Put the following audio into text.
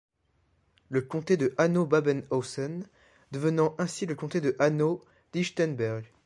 Le comté de Hanau-Babenhausen devenant ainsi le comté de Hanau-Lichtenberg.